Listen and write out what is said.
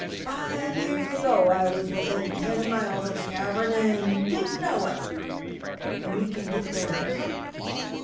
Five years ago I was within ten miles of the cavern an' didn't know it!" "And we can get there ahead of them?"